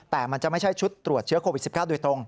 แต่มันจะไม่ใช่ชุดตรวจเชื้อโควิด๑๙โดยตรง